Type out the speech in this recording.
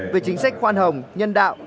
về chính sách khoan hồng nhân đạo